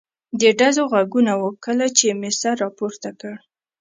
د ډزو غږونه و، کله چې مې سر را پورته کړ.